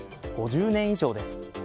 ５０年以上です。